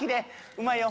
うまいよ！